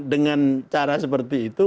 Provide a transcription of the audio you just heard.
dengan cara seperti itu